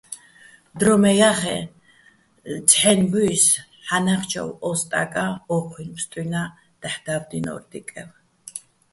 დრო მე ჲახეჼ, ცჰ̦აჲნი̆ ბუჲსო̆ ჰ̦ანა́ხიჩოვ ო სტაკა́ ო́ჴუჲ ბსტუჲნა́ დაჰ̦ და́ვდინო́რ დიკევ.